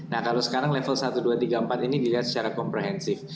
nah kalau sekarang level satu dua tiga empat ini dilihat secara komprehensif